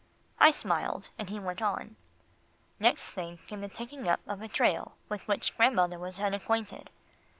I smiled, and he went on. "Next thing came the taking up of a trail with which grandmother was unacquainted.